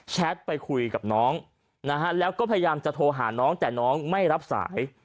ไปคุยกับน้องนะฮะแล้วก็พยายามจะโทรหาน้องแต่น้องไม่รับสาย